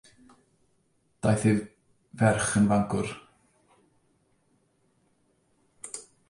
Daeth ei frech yn fancwr.